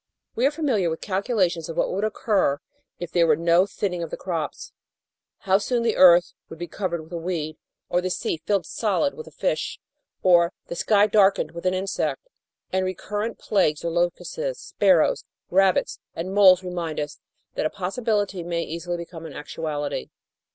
We are familiar with calculations of what would occur if there were no thinning of the crops how soon the earth would be covered with a weed, or the sea filled solid with a fish, or the sky darkened with an insect, and recurrent plagues or locusts, sparrows, rabbits, and moles remind us that a possibility may easily become an actuality.